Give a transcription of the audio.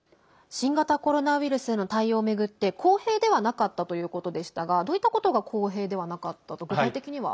新型コロナウイルスへの対応を巡って公平ではなかったということでしたがどういったことが公平ではなかったと具体的には？